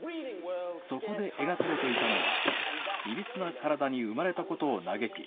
そこで描かれていたのはいびつな体に生まれたことを嘆き